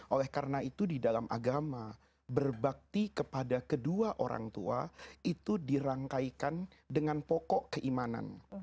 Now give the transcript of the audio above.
oleh karena itu di dalam agama berbakti kepada kedua orang tua itu dirangkaikan dengan pokok keimanan